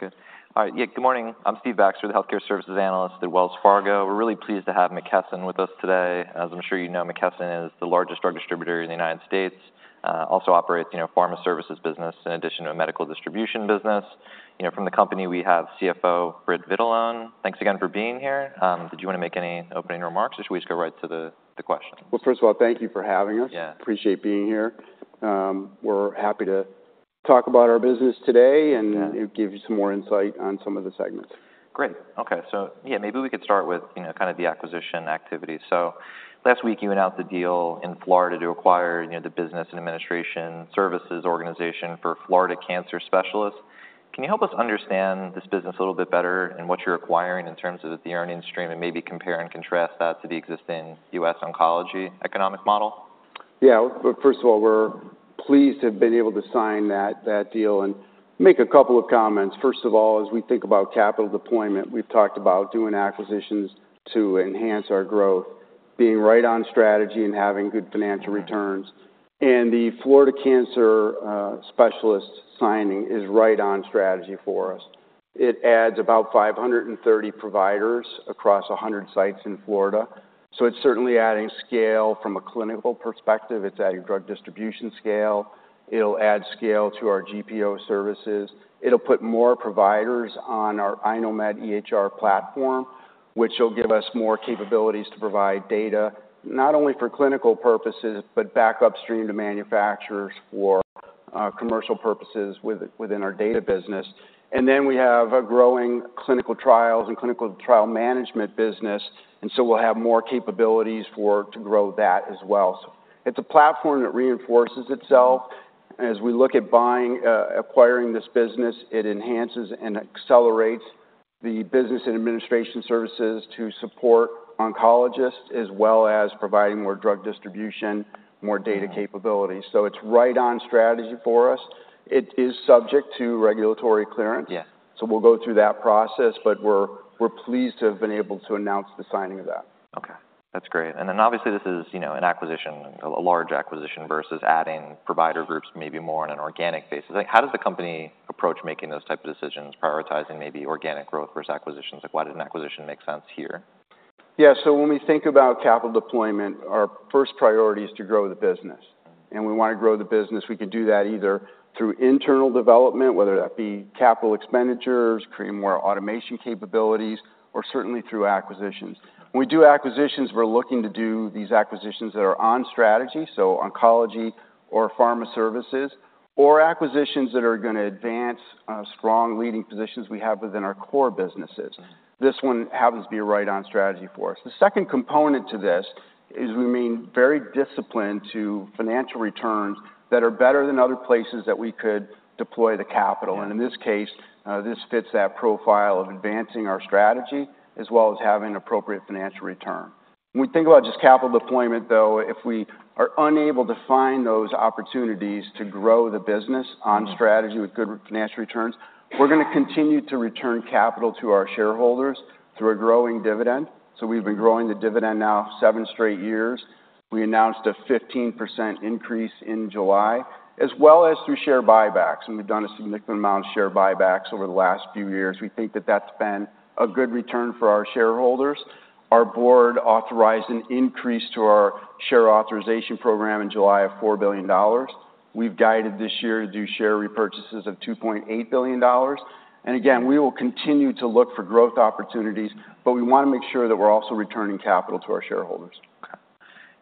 That's truly terrible. All right. Okay, good. All right, yeah, good morning. I'm Steve Baxter, the healthcare services analyst at Wells Fargo. We're really pleased to have McKesson with us today. As I'm sure you know, McKesson is the largest drug distributor in the United States, also operates, you know, pharma services business in addition to a medical distribution business. You know, from the company, we have CFO, Britt Vitalone. Thanks again for being here. Did you wanna make any opening remarks, or should we just go right to the questions? First of all, thank you for having us. Yeah. Appreciate being here. We're happy to talk about our business today. Yeah. and give you some more insight on some of the segments. Great. Okay, so yeah, maybe we could start with, you know, kind of the acquisition activity. So last week, you went out the deal in Florida to acquire, you know, the business and administration services organization for Florida Cancer Specialists. Can you help us understand this business a little bit better and what you're acquiring in terms of the earnings stream, and maybe compare and contrast that to the existing U.S. Oncology economic model? Yeah, well, first of all, we're pleased to have been able to sign that, that deal, and make a couple of comments. First of all, as we think about capital deployment, we've talked about doing acquisitions to enhance our growth, being right on strategy and having good financial returns. And the Florida Cancer Specialists signing is right on strategy for us. It adds about 530 providers across 100 sites in Florida, so it's certainly adding scale from a clinical perspective. It's adding drug distribution scale. It'll add scale to our GPO services. It'll put more providers on our iKnowMed EHR platform, which will give us more capabilities to provide data, not only for clinical purposes, but back upstream to manufacturers for commercial purposes within our data business. And then we have a growing clinical trials and clinical trial management business, and so we'll have more capabilities to grow that as well. So it's a platform that reinforces itself. As we look at buying, acquiring this business, it enhances and accelerates the business and administration services to support oncologists, as well as providing more drug distribution, more data capability. So it's right on strategy for us. It is subject to regulatory clearance. Yeah. So we'll go through that process, but we're pleased to have been able to announce the signing of that. Okay, that's great, and then obviously, this is, you know, an acquisition, a large acquisition, versus adding provider groups, maybe more on an organic basis. How does the company approach making those type of decisions, prioritizing maybe organic growth versus acquisitions? Like, why did an acquisition make sense here? Yeah, so when we think about capital deployment, our first priority is to grow the business, and we want to grow the business. We could do that either through internal development, whether that be capital expenditures, creating more automation capabilities, or certainly through acquisitions. When we do acquisitions, we're looking to do these acquisitions that are on strategy, so oncology or pharma services, or acquisitions that are gonna advance strong leading positions we have within our core businesses. This one happens to be right on strategy for us. The second component to this is we remain very disciplined to financial returns that are better than other places that we could deploy the capital. Yeah. And in this case, this fits that profile of advancing our strategy, as well as having appropriate financial return. When we think about just capital deployment, though, if we are unable to find those opportunities to grow the business on strategy- Mm. With good financial returns, we're gonna continue to return capital to our shareholders through a growing dividend. So we've been growing the dividend now seven straight years. We announced a 15% increase in July, as well as through share buybacks, and we've done a significant amount of share buybacks over the last few years. We think that that's been a good return for our shareholders. Our board authorized an increase to our share authorization program in July of $4 billion. We've guided this year to do share repurchases of $2.8 billion. And again, we will continue to look for growth opportunities, but we wanna make sure that we're also returning capital to our shareholders.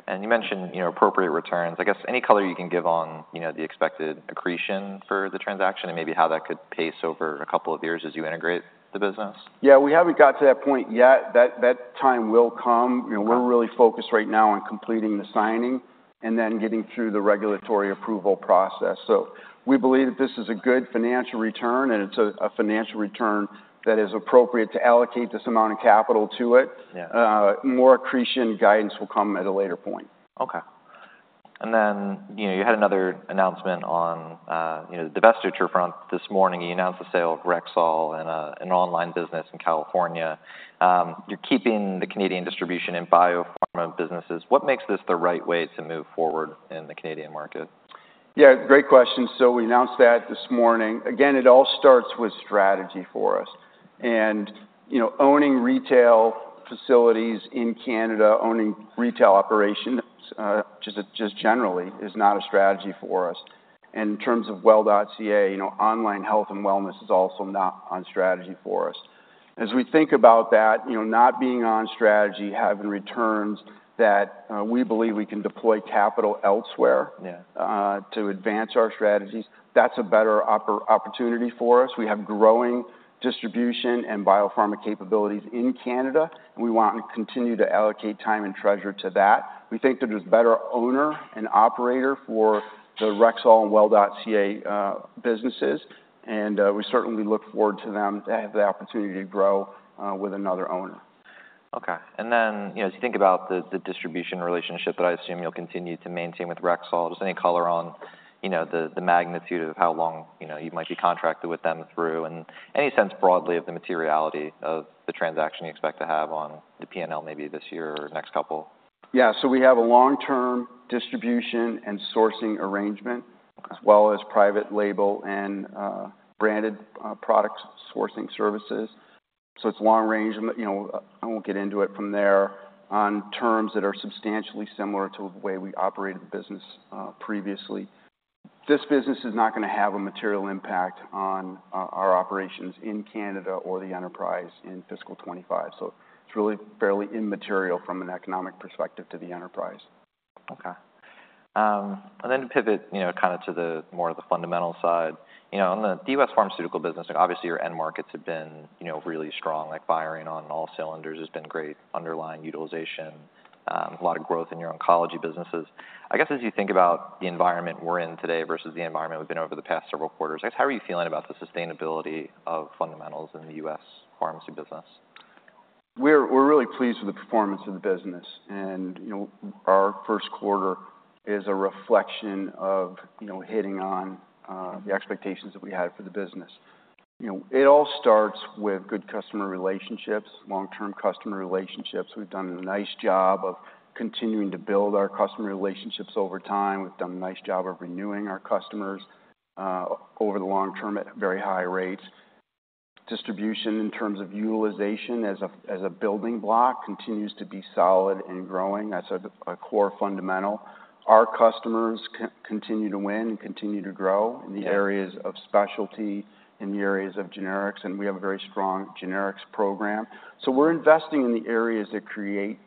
Okay. And you mentioned, you know, appropriate returns. I guess, any color you can give on, you know, the expected accretion for the transaction and maybe how that could pace over a couple of years as you integrate the business? Yeah, we haven't got to that point yet. That, that time will come. Yeah. You know, we're really focused right now on completing the signing and then getting through the regulatory approval process. So we believe that this is a good financial return, and it's a financial return that is appropriate to allocate this amount of capital to it. Yeah. More accretion guidance will come at a later point. Okay. And then, you know, you had another announcement on, you know, the divestiture front this morning. You announced the sale of Rexall and, an online business in California. You're keeping the Canadian distribution in biopharma businesses. What makes this the right way to move forward in the Canadian market? Yeah, great question. So we announced that this morning. Again, it all starts with strategy for us. And, you know, owning retail facilities in Canada, owning retail operations, just generally is not a strategy for us. And in terms of Well.ca, you know, online health and wellness is also not on strategy for us. As we think about that, you know, not being on strategy, having returns that we believe we can deploy capital elsewhere- Yeah... to advance our strategies, that's a better opportunity for us. We have growing distribution and biopharma capabilities in Canada. We want to continue to allocate time and treasure to that. We think that there's a better owner and operator for the Rexall and Well.ca businesses, and we certainly look forward to them to have the opportunity to grow with another owner. Okay. And then, you know, as you think about the distribution relationship that I assume you'll continue to maintain with Rexall, just any color on, you know, the magnitude of how long, you know, you might be contracted with them through? And any sense broadly of the materiality of the transaction you expect to have on the P&L, maybe this year or next couple?... Yeah, so we have a long-term distribution and sourcing arrangement, as well as private label and branded product sourcing services. So it's long range, and, you know, I won't get into it from there, on terms that are substantially similar to the way we operated the business previously. This business is not gonna have a material impact on our operations in Canada or the enterprise in fiscal 2025, so it's really fairly immaterial from an economic perspective to the enterprise. Okay. And then to pivot, you know, kind of, to the more of the fundamental side, you know, on the U.S. pharmaceutical business, and obviously, your end markets have been, you know, really strong, like, firing on all cylinders, has been great, underlying utilization, a lot of growth in your oncology businesses. I guess, as you think about the environment we're in today versus the environment we've been over the past several quarters, like, how are you feeling about the sustainability of fundamentals in the U.S. pharmacy business? We're really pleased with the performance of the business, and, you know, our first quarter is a reflection of, you know, hitting on the expectations that we had for the business. You know, it all starts with good customer relationships, long-term customer relationships. We've done a nice job of continuing to build our customer relationships over time. We've done a nice job of renewing our customers over the long term at very high rates. Distribution, in terms of utilization as a building block, continues to be solid and growing. That's a core fundamental. Our customers continue to win and continue to grow- Yeah In the areas of specialty, in the areas of generics, and we have a very strong generics program. So we're investing in the areas that create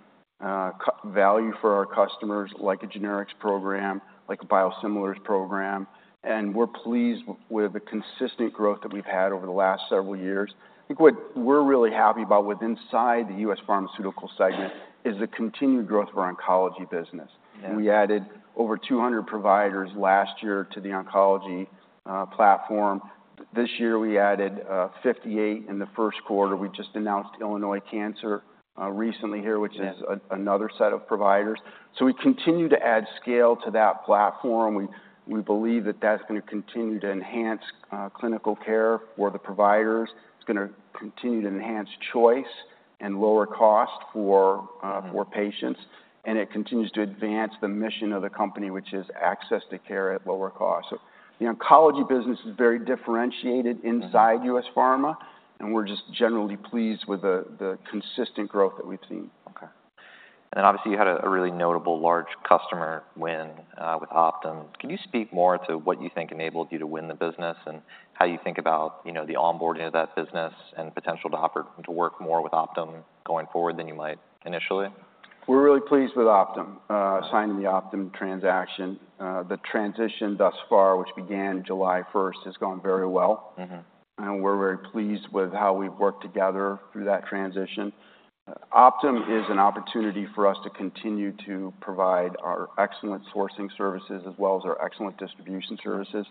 value for our customers, like a generics program, like a biosimilars program, and we're pleased with the consistent growth that we've had over the last several years. I think what we're really happy about with inside the U.S. pharmaceutical segment is the continued growth of our oncology business. Yeah. We added over 200 providers last year to the oncology platform. This year, we added fifty-eight in the first quarter. We just announced Illinois Cancer Specialists recently here- Yeah which is another set of providers. So we continue to add scale to that platform. We believe that that's gonna continue to enhance clinical care for the providers. It's gonna continue to enhance choice and lower cost for... for patients, and it continues to advance the mission of the company, which is access to care at lower cost, so the oncology business is very differentiated inside-... U.S. pharma, and we're just generally pleased with the consistent growth that we've seen. Okay. And obviously, you had a really notable large customer win with Optum. Can you speak more to what you think enabled you to win the business, and how you think about, you know, the onboarding of that business and potential to offer to work more with Optum going forward than you might initially? We're really pleased with Optum signing the Optum transaction. The transition thus far, which began July 1st, has gone very well. And we're very pleased with how we've worked together through that transition. Optum is an opportunity for us to continue to provide our excellent sourcing services as well as our excellent distribution services.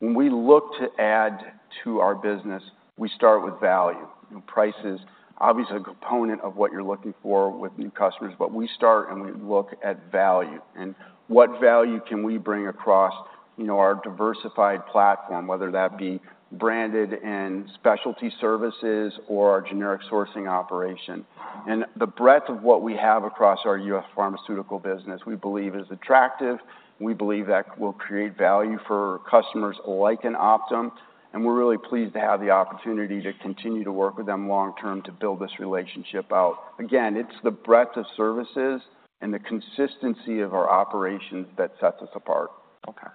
When we look to add to our business, we start with value, and price is obviously a component of what you're looking for with new customers. But we start, and we look at value, and what value can we bring across, you know, our diversified platform, whether that be branded and specialty services or our generic sourcing operation. And the breadth of what we have across our U.S. pharmaceutical business, we believe is attractive. We believe that will create value for customers like Optum, and we're really pleased to have the opportunity to continue to work with them long term to build this relationship out. Again, it's the breadth of services and the consistency of our operations that sets us apart. Okay.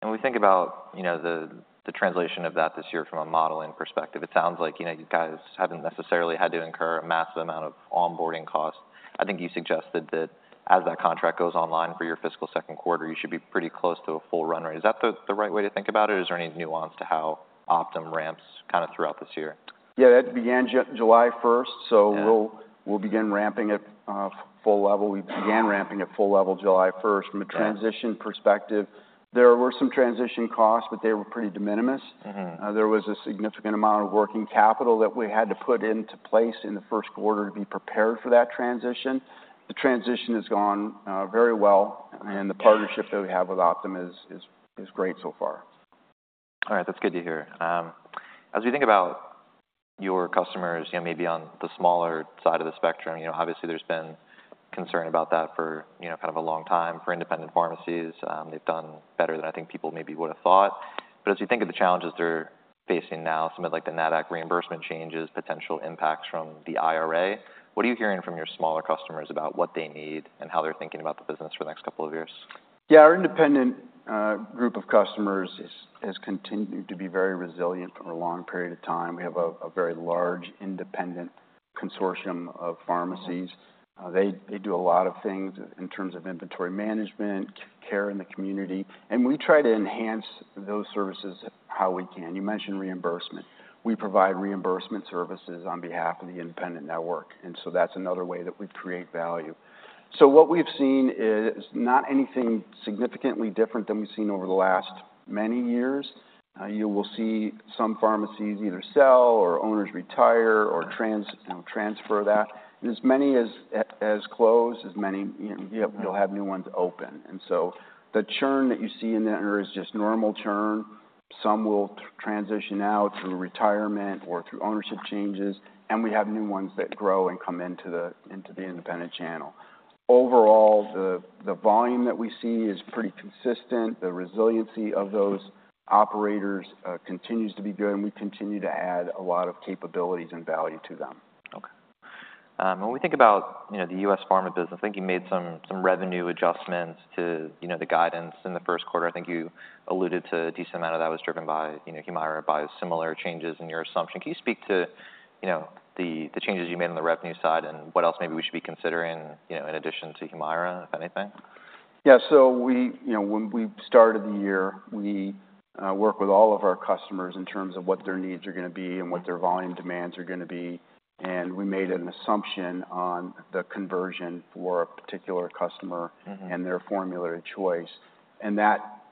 When we think about, you know, the translation of that this year from a modeling perspective, it sounds like, you know, you guys haven't necessarily had to incur a massive amount of onboarding costs. I think you suggested that, as that contract goes online for your fiscal second quarter, you should be pretty close to a full run rate. Is that the right way to think about it, or is there any nuance to how Optum ramps kind of throughout this year? Yeah, that began July 1st, so- Yeah... we'll begin ramping it full level. We began ramping at full level July 1st. Yeah. From a transition perspective, there were some transition costs, but they were pretty de minimis. There was a significant amount of working capital that we had to put into place in the first quarter to be prepared for that transition. The transition has gone very well, and the partnership that we have with Optum is great so far. All right. That's good to hear. As we think about your customers, you know, maybe on the smaller side of the spectrum, you know, obviously there's been concern about that for, you know, kind of a long time. For independent pharmacies, they've done better than I think people maybe would've thought. But as you think of the challenges they're facing now, something like the NADAC reimbursement changes, potential impacts from the IRA, what are you hearing from your smaller customers about what they need and how they're thinking about the business for the next couple of years? Yeah, our independent group of customers has continued to be very resilient over a long period of time. We have a very large, independent consortium of pharmacies. They do a lot of things in terms of inventory management, care in the community, and we try to enhance those services how we can. You mentioned reimbursement. We provide reimbursement services on behalf of the independent network, and so that's another way that we create value. So what we've seen is not anything significantly different than we've seen over the last many years. You will see some pharmacies either sell or owners retire or transfer that, you know. As many as, you'll have new ones open. And so the churn that you see in there is just normal churn. Some will transition out through retirement or through ownership changes, and we have new ones that grow and come into the independent channel. Overall, the volume that we see is pretty consistent. The resiliency of those operators continues to be good, and we continue to add a lot of capabilities and value to them. Okay. When we think about, you know, the U.S. pharma business, I think you made some revenue adjustments to, you know, the guidance in the first quarter. I think you alluded to a decent amount of that was driven by, you know, Humira, biosimilar changes in your assumption. Can you speak to, you know, the changes you made on the revenue side and what else maybe we should be considering, you know, in addition to Humira, if anything? Yeah, so we, you know, when we started the year, we worked with all of our customers in terms of what their needs are gonna be and what their volume demands are gonna be, and we made an assumption on the conversion for a particular customer- Mm-hmm and their formulary choice. And that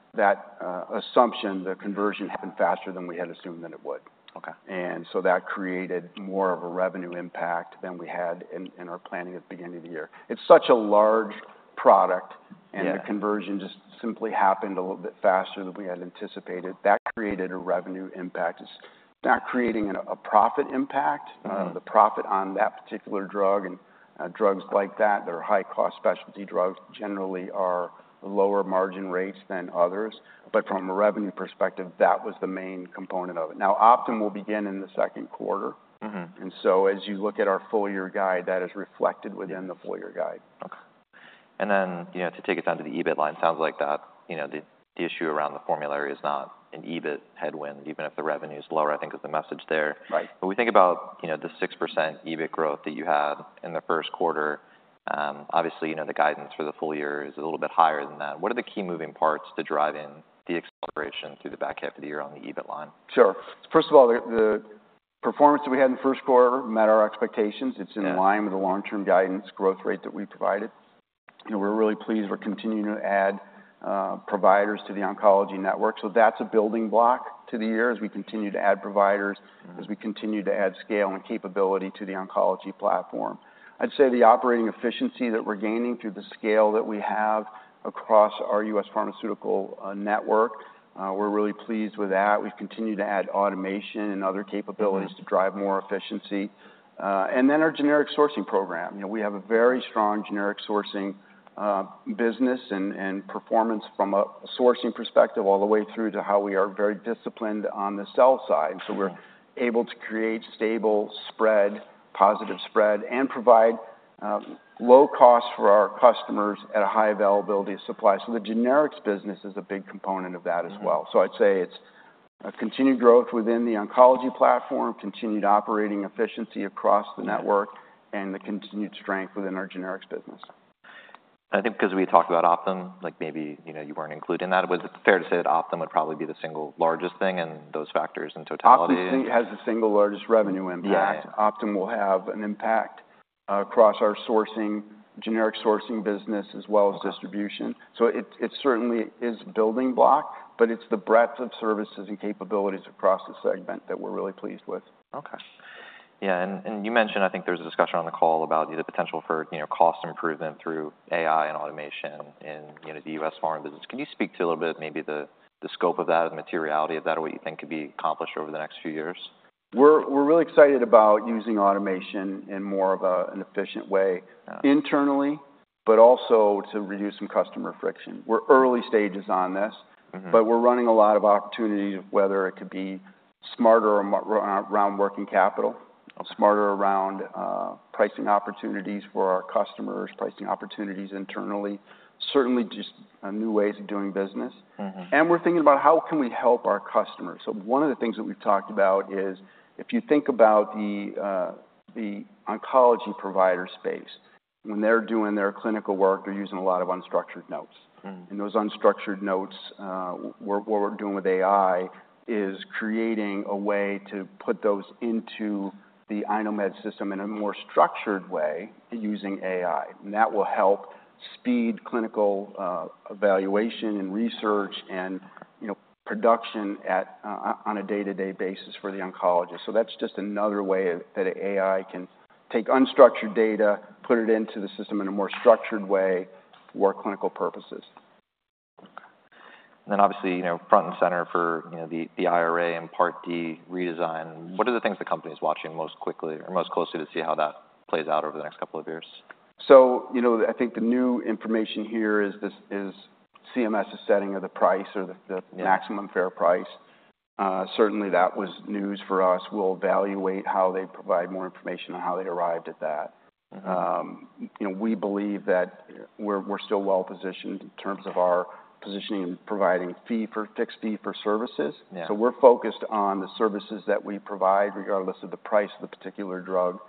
assumption, the conversion, happened faster than we had assumed that it would. Okay. And so that created more of a revenue impact than we had in our planning at the beginning of the year. It's such a large product. Yeah And the conversion just simply happened a little bit faster than we had anticipated. That created a revenue impact. It's not creating a profit impact. Mm-hmm. The profit on that particular drug and drugs like that, that are high-cost specialty drugs, generally are lower margin rates than others. But from a revenue perspective, that was the main component of it. Now, Optum will begin in the second quarter. Mm-hmm. And so, as you look at our full-year guide, that is reflected within- Yes The full-year guide. Okay, and then, you know, to take it down to the EBIT line. Sounds like that, you know, the issue around the formulary is not an EBIT headwind, even if the revenue's lower. I think is the message there. Right. When we think about, you know, the 6% EBIT growth that you had in the first quarter, obviously, you know, the guidance for the full year is a little bit higher than that. What are the key moving parts to driving the acceleration through the back half of the year on the EBIT line? Sure. First of all, the performance that we had in the first quarter met our expectations. Yeah. It's in line with the long-term guidance growth rate that we provided, and we're really pleased. We're continuing to add providers to the oncology network, so that's a building block to the year as we continue to add providers- Mm-hmm... as we continue to add scale and capability to the oncology platform. I'd say the operating efficiency that we're gaining through the scale that we have across our U.S. pharmaceutical network. We're really pleased with that. We've continued to add automation and other capabilities. Mm -to drive more efficiency, and then our generic sourcing program. You know, we have a very strong generic sourcing business and performance from a sourcing perspective all the way through to how we are very disciplined on the sell side. Sure. So we're able to create stable spread, positive spread, and provide low costs for our customers at a high availability of supply. So the generics business is a big component of that as well. Mm-hmm. So I'd say it's a continued growth within the oncology platform, continued operating efficiency across the network- Yeah and the continued strength within our generics business. I think because we talked about Optum, like maybe, you know, you weren't including that, but is it fair to say that Optum would probably be the single largest thing in those factors in totality? Optum has the single largest revenue impact. Yeah. Optum will have an impact across our sourcing, generic sourcing business, as well as distribution. Okay. So it certainly is building block, but it's the breadth of services and capabilities across the segment that we're really pleased with. Okay. Yeah, and you mentioned, I think there was a discussion on the call about the potential for, you know, cost improvement through AI and automation in, you know, the U.S. pharma business. Can you speak to a little bit maybe the scope of that, the materiality of that, and what you think could be accomplished over the next few years? We're really excited about using automation in more of an efficient way- Yeah Internally, but also to reduce some customer friction. We're early stages on this. Mm-hmm. But we're running a lot of opportunities, whether it could be smarter or around working capital. Okay... smarter around pricing opportunities for our customers, pricing opportunities internally, certainly just new ways of doing business. Mm-hmm. And we're thinking about: How can we help our customers? So one of the things that we've talked about is, if you think about the oncology provider space, when they're doing their clinical work, they're using a lot of unstructured notes. Mm. Those unstructured notes, what we're doing with AI is creating a way to put those into the iKnowMed system in a more structured way using AI, and that will help speed clinical evaluation and research and, you know, production on a day-to-day basis for the oncologist. That's just another way that AI can take unstructured data, put it into the system in a more structured way for clinical purposes. Obviously, you know, front and center for, you know, the IRA and Part D redesign, what are the things the company's watching most quickly or most closely to see how that plays out over the next couple of years? You know, I think the new information here is this: CMS is setting the price or the, the- Yeah... maximum fair price. Certainly, that was news for us. We'll evaluate how they provide more information on how they arrived at that. Mm-hmm. You know, we believe that we're still well-positioned in terms of our positioning and providing fixed fee per services. Yeah. So we're focused on the services that we provide, regardless of the price of the particular drug.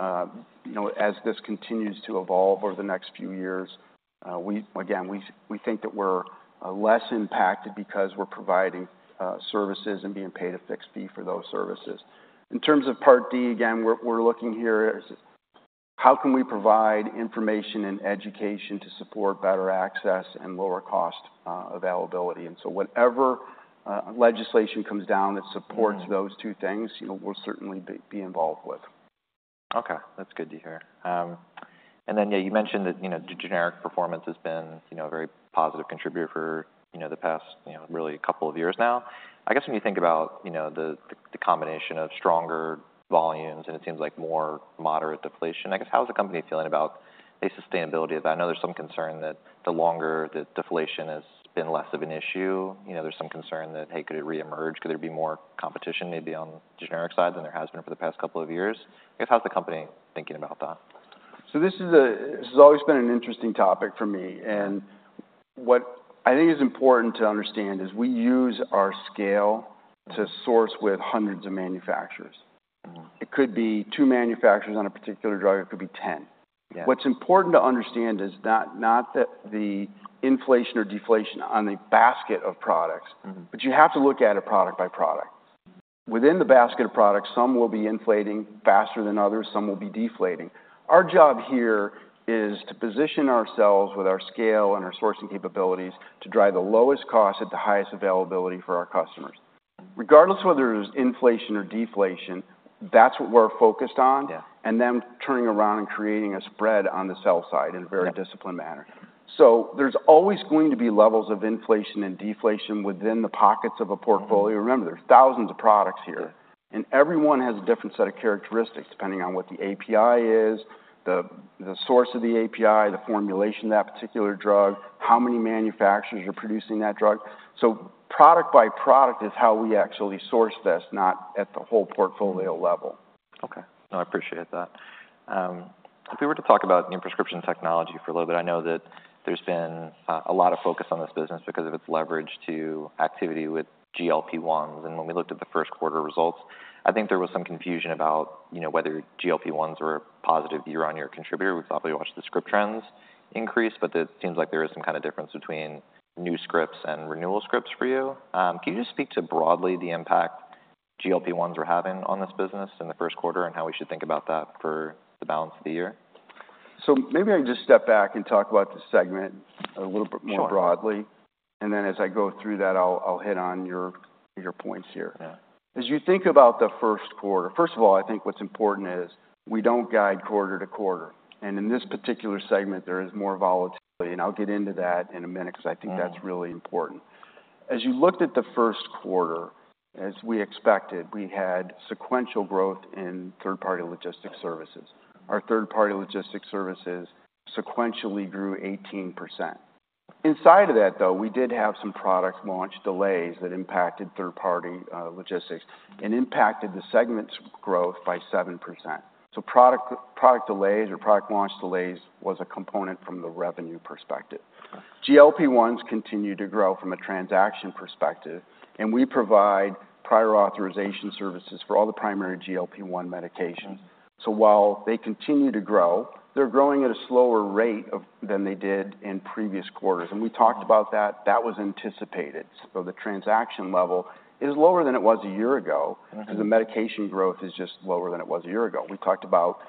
You know, as this continues to evolve over the next few years, we again think that we're less impacted because we're providing services and being paid a fixed fee for those services. In terms of Part D, again, we're looking here is: How can we provide information and education to support better access and lower cost availability? And so whatever legislation comes down that supports- Mm... those two things, you know, we'll certainly be involved with.... Okay, that's good to hear. And then, yeah, you mentioned that, you know, the generic performance has been, you know, a very positive contributor for, you know, the past, you know, really couple of years now. I guess when you think about, you know, the combination of stronger volumes, and it seems like more moderate deflation, I guess, how's the company feeling about the sustainability of that? I know there's some concern that the longer the deflation has been less of an issue, you know, there's some concern that, hey, could it reemerge? Could there be more competition, maybe on the generic side, than there has been for the past couple of years? I guess, how's the company thinking about that? So this has always been an interesting topic for me. Yeah. What I think is important to understand is we use our scale to source with hundreds of manufacturers. Mm-hmm. It could be two manufacturers on a particular drug, or it could be ten. Yeah. What's important to understand is not that the inflation or deflation on the basket of products- Mm-hmm. But you have to look at it product by product. Within the basket of products, some will be inflating faster than others, some will be deflating. Our job here is to position ourselves with our scale and our sourcing capabilities to drive the lowest cost at the highest availability for our customers. Regardless whether it's inflation or deflation, that's what we're focused on. Yeah... and then turning around and creating a spread on the sell side in a very- Yeah disciplined manner. So there's always going to be levels of inflation and deflation within the pockets of a portfolio. Mm-hmm. Remember, there's thousands of products here- Yeah And everyone has a different set of characteristics, depending on what the API is, the source of the API, the formulation of that particular drug, how many manufacturers are producing that drug. So product by product is how we actually source this, not at the whole portfolio level. Okay. No, I appreciate that. If we were to talk about new prescription technology for a little bit, I know that there's been a lot of focus on this business because of its leverage to activity with GLP-1s. And when we looked at the first quarter results, I think there was some confusion about, you know, whether GLP-1s were a positive year-on-year contributor. We've obviously watched the script trends increase, but it seems like there is some kind of difference between new scripts and renewal scripts for you. Can you just speak to, broadly, the impact GLP-1s are having on this business in the first quarter, and how we should think about that for the balance of the year? So maybe I can just step back and talk about the segment a little bit more. Sure... broadly, and then as I go through that, I'll hit on your points here. Yeah. As you think about the first quarter, first of all, I think what's important is we don't guide quarter-to-quarter, and in this particular segment, there is more volatility, and I'll get into that in a minute, because I think. Mm-hmm... that's really important. As you looked at the first quarter, as we expected, we had sequential growth in third-party logistics services. Our third-party logistics services sequentially grew 18%. Inside of that, though, we did have some product launch delays that impacted third-party logistics and impacted the segment's growth by 7%. So product delays or product launch delays was a component from the revenue perspective. Okay. GLP-1s continue to grow from a transaction perspective, and we provide prior authorization services for all the primary GLP-1 medications. Mm-hmm. So while they continue to grow, they're growing at a slower rate than they did in previous quarters, and we talked about that. That was anticipated. So the transaction level is lower than it was a year ago. Mm-hmm... because the medication growth is just lower than it was a year ago. We talked about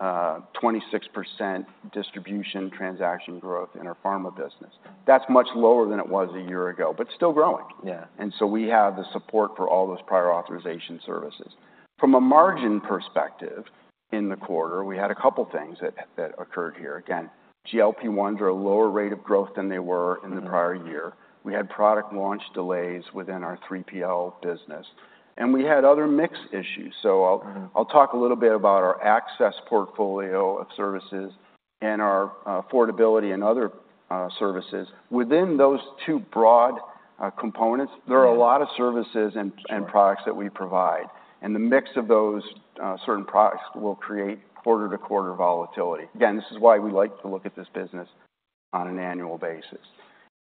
26% distribution transaction growth in our pharma business. Mm-hmm. That's much lower than it was a year ago, but still growing. Yeah. We have the support for all those prior authorization services. From a margin perspective, in the quarter, we had a couple things that occurred here. Again, GLP-1s are a lower rate of growth than they were in the prior year. Mm-hmm. We had product launch delays within our 3PL business, and we had other mix issues. So I'll- Mm-hmm... I'll talk a little bit about our access portfolio of services and our affordability and other services. Within those two broad components- Yeah... there are a lot of services and Sure... products that we provide, and the mix of those, certain products will create quarter-to-quarter volatility. Again, this is why we like to look at this business on an annual basis.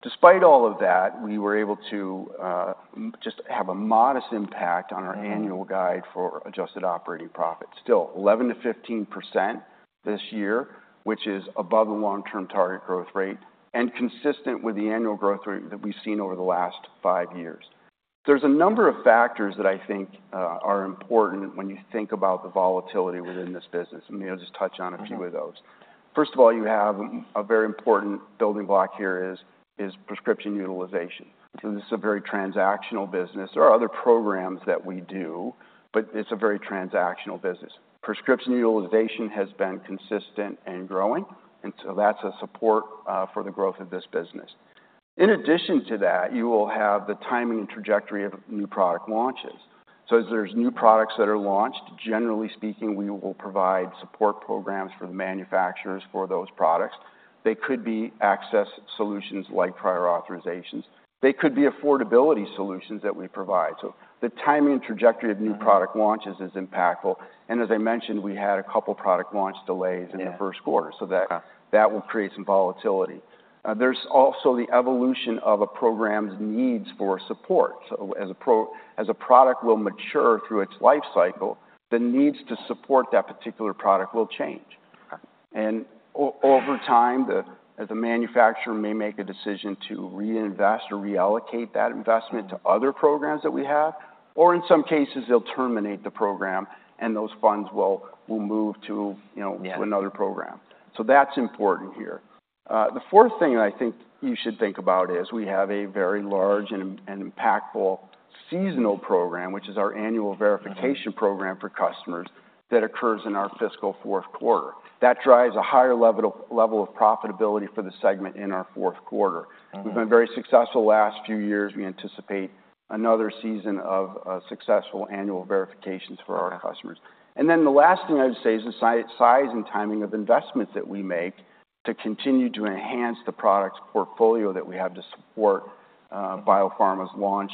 Despite all of that, we were able to, just have a modest impact on our- Mm-hmm... annual guide for adjusted operating profit. Still 11%-15% this year, which is above the long-term target growth rate and consistent with the annual growth rate that we've seen over the last five years. There's a number of factors that I think are important when you think about the volatility within this business, and I'll just touch on a few of those. Mm-hmm. First of all, you have a very important building block here, is prescription utilization. Mm-hmm. So this is a very transactional business. There are other programs that we do, but it's a very transactional business. Prescription utilization has been consistent and growing, and so that's a support for the growth of this business. In addition to that, you will have the timing and trajectory of new product launches. So as there's new products that are launched, generally speaking, we will provide support programs for the manufacturers for those products. They could be access solutions, like prior authorizations. They could be affordability solutions that we provide. So the timing and trajectory of new product launches is impactful, and as I mentioned, we had a couple product launch delays- Yeah... in the first quarter, so that- Yeah... that will create some volatility. There's also the evolution of a program's needs for support. So as a product will mature through its life cycle, the needs to support that particular product will change. Okay. Over time, the manufacturer may make a decision to reinvest or reallocate that investment to other programs that we have, or in some cases, they'll terminate the program, and those funds will move to, you know- Yeah... another program. So that's important here. The fourth thing that I think you should think about is, we have a very large and impactful seasonal program, which is our annual verification- Mm-hmm... program for customers, that occurs in our fiscal fourth quarter. That drives a higher level of profitability for the segment in our fourth quarter. Mm-hmm. We've been very successful the last few years. We anticipate another season of successful annual verifications for our customers. Yeah. And then the last thing I'd say is the size and timing of investments that we make to continue to enhance the products portfolio that we have to support biopharma's launch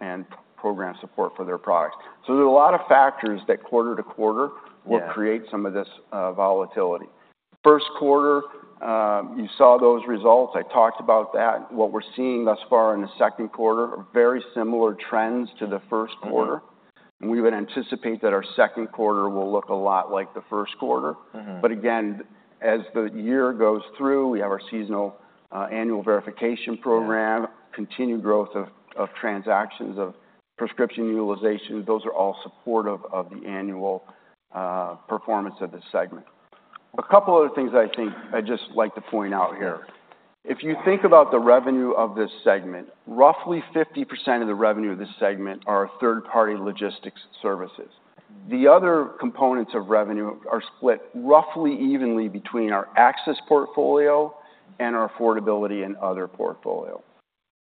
and program support for their products. So there are a lot of factors that quarter-to-quarter- Yeah... will create some of this, volatility.... First quarter, you saw those results. I talked about that. What we're seeing thus far in the second quarter are very similar trends to the first quarter. Mm-hmm. We would anticipate that our second quarter will look a lot like the first quarter. Mm-hmm. But again, as the year goes through, we have our seasonal, annual verification program- Yeah Continued growth of transactions of prescription utilization. Those are all supportive of the annual performance of this segment. A couple other things I think I'd just like to point out here. If you think about the revenue of this segment, roughly 50% of the revenue of this segment are our third-party logistics services. The other components of revenue are split roughly evenly between our access portfolio and our affordability and other portfolio.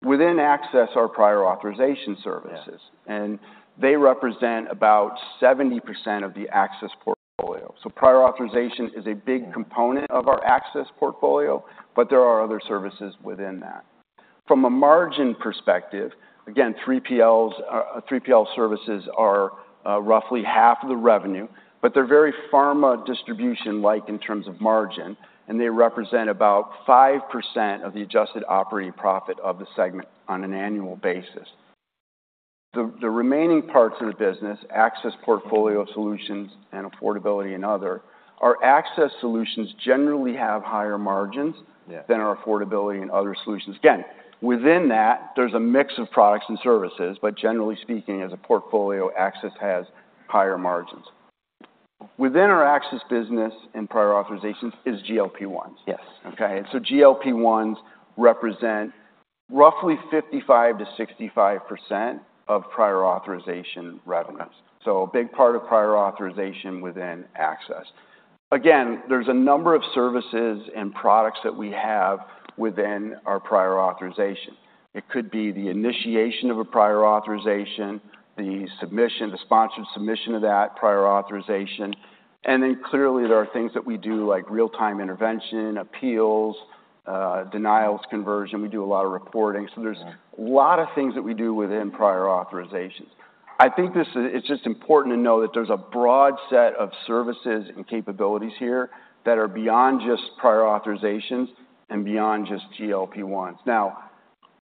Within access, are prior authorization services- Yeah and they represent about 70% of the access portfolio. So prior authorization is a big component of our access portfolio, but there are other services within that. From a margin perspective, again, 3PLs, 3PL services are roughly half of the revenue, but they're very pharma distribution-like in terms of margin, and they represent about 5% of the adjusted operating profit of the segment on an annual basis. The remaining parts of the business, access portfolio solutions and affordability and other, our access solutions generally have higher margins- Yeah than our affordability and other solutions. Again, within that, there's a mix of products and services, but generally speaking, as a portfolio, access has higher margins. Within our access business in prior authorizations is GLP-1s. Yes. Okay, so GLP-1s represent roughly 55%-65% of prior authorization revenues, so a big part of prior authorization within access. Again, there's a number of services and products that we have within our prior authorization. It could be the initiation of a prior authorization, the submission, the sponsored submission of that prior authorization, and then clearly, there are things that we do, like real-time intervention, appeals, denials conversion. We do a lot of reporting. Yeah. So there's a lot of things that we do within prior authorizations. I think it's just important to know that there's a broad set of services and capabilities here that are beyond just prior authorizations and beyond just GLP-1s. Now,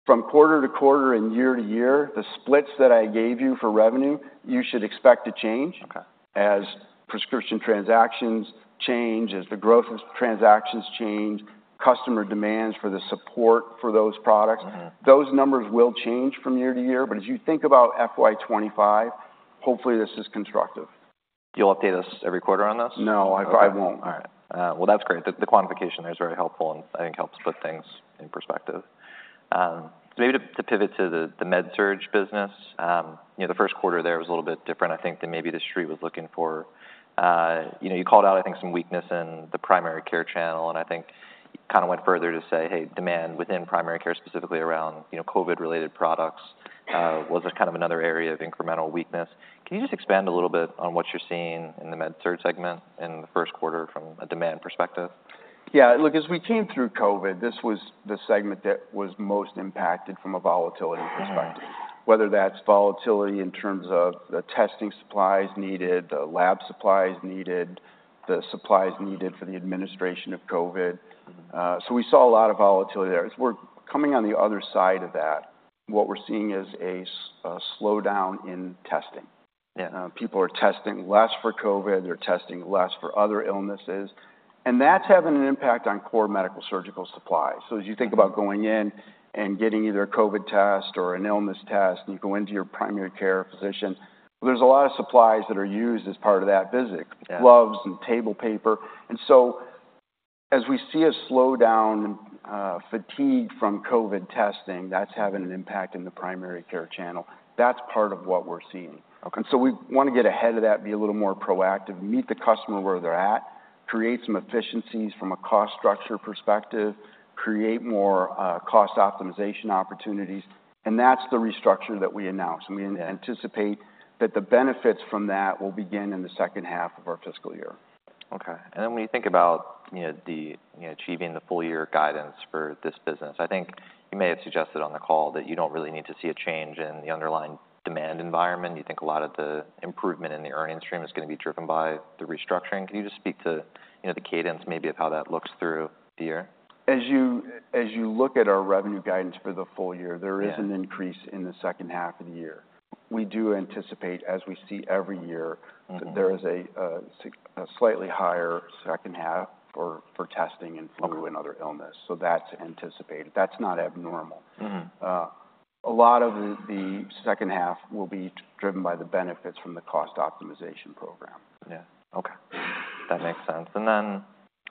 from quarter-to-quarter and year to year, the splits that I gave you for revenue, you should expect to change- Okay as prescription transactions change, as the growth of transactions change, customer demands for the support for those products. Mm-hmm. Those numbers will change from year to year, but as you think about FY twenty-five, hopefully this is constructive. You'll update us every quarter on this? No, I won't. All right. Well, that's great. The quantification there is very helpful, and I think helps put things in perspective. Maybe to pivot to the Med-Surg business. You know, the first quarter there was a little bit different, I think, than maybe the street was looking for. You know, you called out, I think, some weakness in the primary care channel, and I think you kind of went further to say, "Hey, demand within primary care, specifically around, you know, COVID-related products," was just kind of another area of incremental weakness. Can you just expand a little bit on what you're seeing in the Med-Surg segment in the first quarter from a demand perspective? Yeah, look, as we came through COVID, this was the segment that was most impacted from a volatility perspective- Mm-hmm whether that's volatility in terms of the testing supplies needed, the lab supplies needed, the supplies needed for the administration of COVID. Mm-hmm. So we saw a lot of volatility there. As we're coming on the other side of that, what we're seeing is a slowdown in testing. Yeah. People are testing less for COVID, they're testing less for other illnesses, and that's having an impact on core medical surgical supplies. Mm-hmm. So as you think about going in and getting either a COVID test or an illness test, and you go into your primary care physician, there's a lot of supplies that are used as part of that visit. Yeah. Gloves and table paper. And so as we see a slowdown, fatigue from COVID testing, that's having an impact in the primary care channel. That's part of what we're seeing. Okay. So we want to get ahead of that, be a little more proactive, meet the customer where they're at, create some efficiencies from a cost structure perspective, create more cost optimization opportunities, and that's the restructure that we announced. We anticipate that the benefits from that will begin in the second half of our fiscal year. Okay. And then when you think about, you know, achieving the full year guidance for this business, I think you may have suggested on the call that you don't really need to see a change in the underlying demand environment. You think a lot of the improvement in the earnings stream is gonna be driven by the restructuring. Can you just speak to, you know, the cadence maybe of how that looks through the year? As you look at our revenue guidance for the full year. Yeah... there is an increase in the second half of the year. We do anticipate, as we see every year- Mm-hmm... that there is a slightly higher second half for testing and- Okay... flu and other illness, so that's anticipated. That's not abnormal. Mm-hmm. A lot of the second half will be driven by the benefits from the cost optimization program. Yeah. Okay, that makes sense. And then,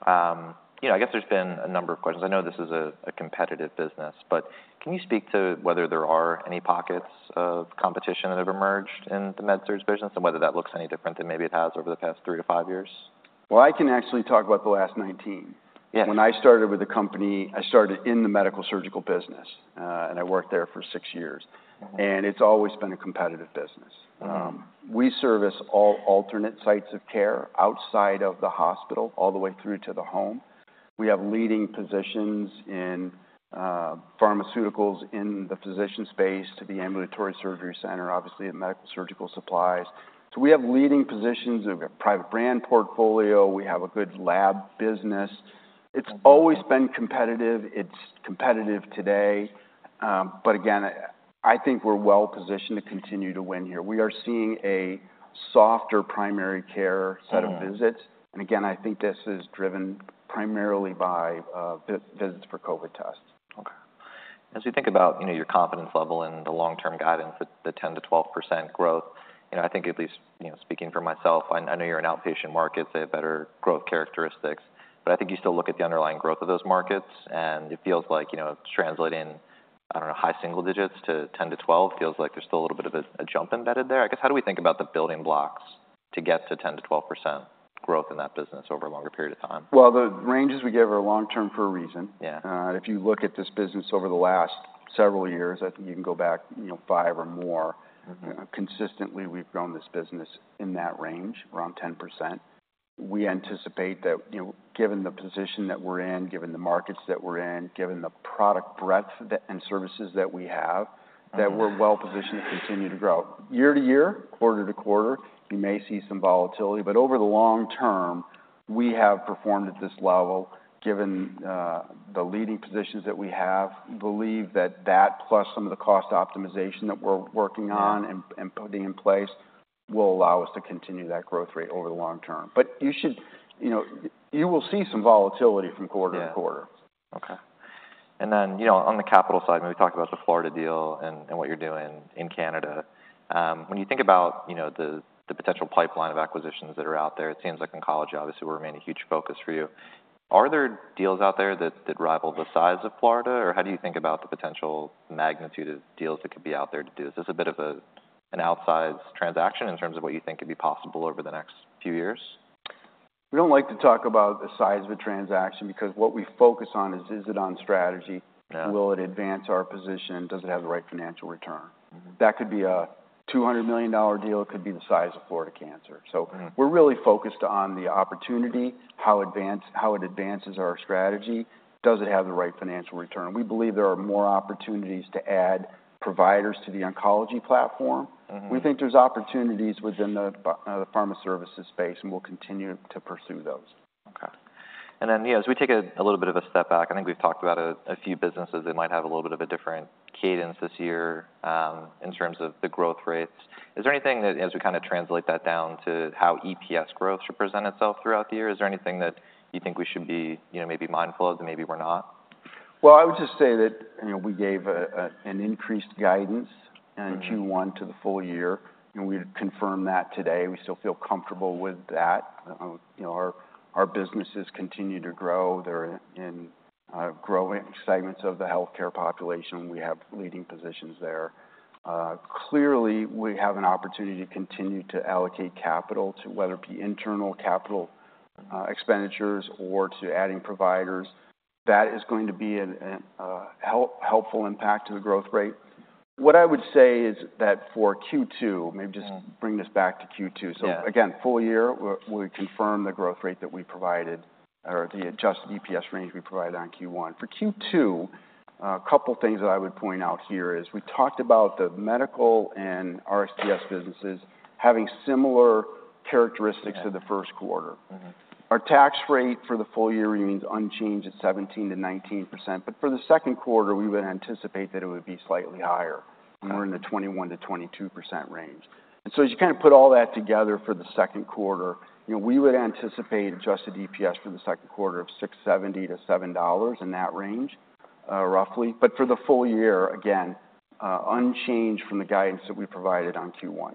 you know, I guess there's been a number of questions. I know this is a competitive business, but can you speak to whether there are any pockets of competition that have emerged in the Med-Surg business and whether that looks any different than maybe it has over the past three to five years? Well, I can actually talk about the last nineteen. Yes. When I started with the company, I started in the medical surgical business, and I worked there for six years. Mm-hmm. It's always been a competitive business. Mm-hmm. We service all alternate sites of care outside of the hospital, all the way through to the home. We have leading positions in pharmaceuticals in the physician space to the ambulatory surgery center, obviously in medical surgical supplies. So we have leading positions. We've got private brand portfolio. We have a good lab business. It's always been competitive. It's competitive today, but again, I think we're well positioned to continue to win here. We are seeing a softer primary care set of visits. Yeah. And again, I think this is driven primarily by visits for COVID tests. Okay. As you think about, you know, your confidence level and the long-term guidance, the 10%-12% growth, you know, I think at least, you know, speaking for myself, I know you're an outpatient market, they have better growth characteristics. But I think you still look at the underlying growth of those markets, and it feels like, you know, it's translating, I don't know, high single digits to 10%-12%. Feels like there's still a little bit of a jump embedded there. I guess, how do we think about the building blocks to get to 10%-12% growth in that business over a longer period of time? Well, the ranges we give are long-term for a reason. Yeah. If you look at this business over the last several years, I think you can go back, you know, five or more. Mm-hmm. Consistently, we've grown this business in that range, around 10%. We anticipate that, you know, given the position that we're in, given the markets that we're in, given the product breadth and services that we have- Mm-hmm... that we're well positioned to continue to grow. Year to year, quarter-to-quarter, you may see some volatility, but over the long term, we have performed at this level, given the leading positions that we have. Believe that, that plus some of the cost optimization that we're working on- Yeah... and putting in place will allow us to continue that growth rate over the long term. But you should... You know, you will see some volatility from quarter-to-quarter. Yeah. Okay. And then, you know, on the capital side, when we talk about the Florida deal and what you're doing in Canada, when you think about, you know, the potential pipeline of acquisitions that are out there, it seems like oncology obviously will remain a huge focus for you. Are there deals out there that rival the size of Florida, or how do you think about the potential magnitude of deals that could be out there to do this? Is this a bit of an outsized transaction in terms of what you think could be possible over the next few years? We don't like to talk about the size of a transaction, because what we focus on is it on strategy? Yeah. Will it advance our position? Does it have the right financial return? Mm-hmm. That could be a $200 million deal. It could be the size of Florida Cancer. Mm. So we're really focused on the opportunity, how it advances our strategy. Does it have the right financial return? We believe there are more opportunities to add providers to the oncology platform. Mm-hmm. We think there's opportunities within the pharma services space, and we'll continue to pursue those. Okay. And then, you know, as we take a little bit of a step back, I think we've talked about a few businesses that might have a little bit of a different cadence this year, in terms of the growth rates. Is there anything that as we kind of translate that down to how EPS growth should present itself throughout the year, is there anything that you think we should be, you know, maybe mindful of that maybe we're not? I would just say that, you know, we gave an increased guidance. Mm-hmm... in Q1 to the full year, and we've confirmed that today. We still feel comfortable with that. You know, our businesses continue to grow. They're in growing segments of the healthcare population. We have leading positions there. Clearly, we have an opportunity to continue to allocate capital to whether it be internal capital expenditures or to adding providers. That is going to be a helpful impact to the growth rate. What I would say is that for Q2, maybe just- Yeah... bring this back to Q2. Yeah. Again, full year, we confirm the growth rate that we provided or the adjusted EPS range we provided on Q1. For Q2, a couple things that I would point out here is we talked about the Med-Surg and RxTS businesses having similar characteristics- Yeah... to the first quarter. Mm-hmm. Our tax rate for the full year remains unchanged at 17%-19%, but for the second quarter, we would anticipate that it would be slightly higher. Okay. We're in the 21%-22% range. So as you kind of put all that together for the second quarter, you know, we would anticipate adjusted EPS for the second quarter of $6.70-$7, in that range, roughly, but for the full year, again, unchanged from the guidance that we provided on Q1.